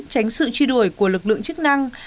tránh sự truy đuổi của lực lượng chức năng